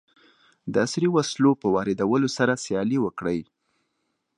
د عصري وسلو په واردولو سره سیالي وکړي.